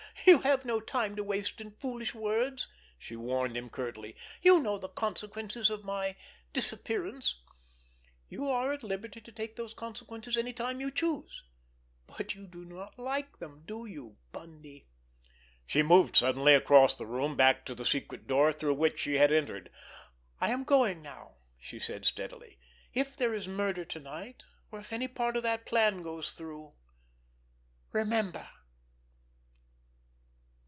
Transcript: "You have no time to waste in foolish words!" she warned him curtly. "You know the consequences of my—disappearance. You are at liberty to take those consequences any time you choose. But you do not like them, do you—Bundy?" She moved suddenly across the room, back to the secret door through which she had entered. "I am going now," she said steadily. "If there is murder to night, or if any part of that plan goes through—_remember!